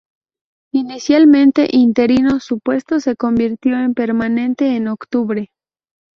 Inicialmente interino, su puesto se convirtió en permanente en octubre.